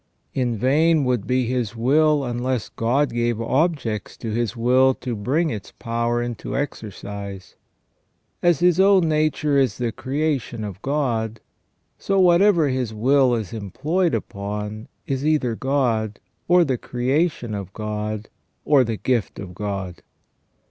In vain would be his will unless God gave objects to his will to bring its power into exercise. As his own nature is the creation of God, so whatever his will is employed upon is either God, or the creation of God, or the gift of God.